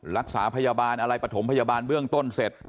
รักษาพยาบาลอะไรปฐมพยาบาลเบื้องต้นเสร็จ